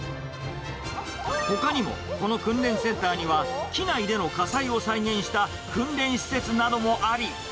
ほかにも、この訓練センターには、機内での火災を再現した訓練施設などもあり。